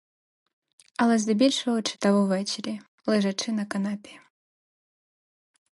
Але здебільшого читав увечері, лежачи на канапі.